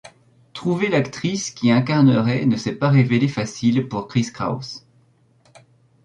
Trouver l’actrice qui incarnerait ne s’est pas révélé facile pour Chris Kraus.